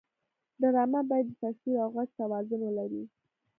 ډرامه باید د تصویر او غږ توازن ولري